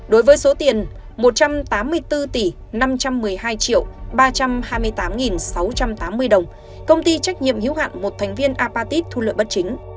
đối với số tiền một trăm tám mươi bốn tỷ năm trăm một mươi hai triệu ba trăm hai mươi tám sáu trăm tám mươi đồng công ty trách nhiệm hữu hạn một thành viên apatit thu lợi bất chính